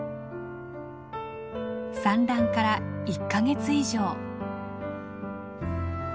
産卵から１か月以上。